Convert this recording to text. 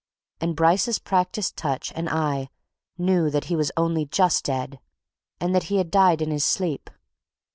And Bryce's practised touch and eye knew that he was only just dead and that he had died in his sleep.